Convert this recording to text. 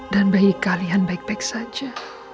dan bayi kalian baik baik saja